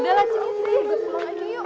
bersama aja yuk